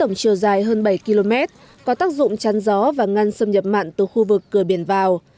tổng chiều dài hơn bảy km có tác dụng chắn gió và ngăn xâm nhập mặn từ khu vực cửa biển vào